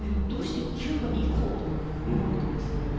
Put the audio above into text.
どうしてキューバに行こうと思われたんですか？